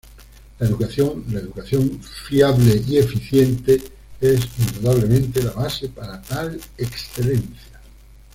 La educación, la educación fiable y eficiente, es indudablemente la base para tal excelencia.